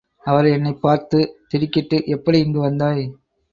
அவர் என்னைப் பார்த்து திடுக்கிட்டு எப்படி இங்கு வந்தாய்?